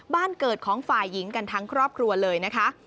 บ้านเกิดของฝ่ายหญิงกันทั้งครอบครัวเลยนะคะ